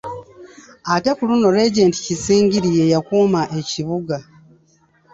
Ate ku luno Regent Kisingiri ye yakuuma Ekibuga.